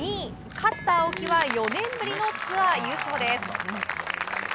勝った青木は４年ぶりのツアー優勝です。